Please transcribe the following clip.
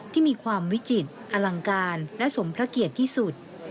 ที่มีความวิจิตรอลังการและสมพระเกียรติที่สุด